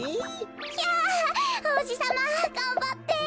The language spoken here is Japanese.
ひゃおうじさまがんばって！